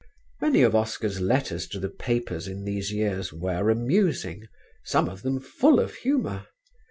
Many of Oscar's letters to the papers in these years were amusing, some of them full of humour.